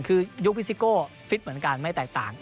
คือยุคพิซิโก้ฟิตเหมือนกันไม่แตกต่าง